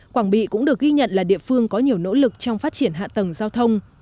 quảng bị cũng được ghi nhận là địa phương có nhiều nỗ lực trong phát triển hạ tầng giao thông